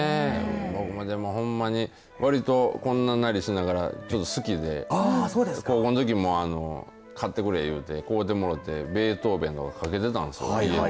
僕はでもほんまにわりとこんななりしながらわりと好きで小さいときも買ってくれ言うて買うてもろてベートーヴェンかけてたんですよ家で。